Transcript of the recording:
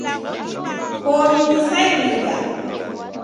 Koni nisailinga